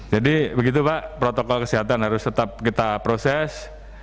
jadi begitu pak protokol kesehatan harus tetap kita proses